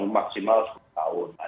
maksimal sepuluh tahun